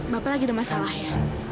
bapak lagi ada masalah ya